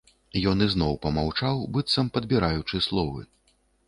Ён ізноў памаўчаў, быццам падбіраючы словы.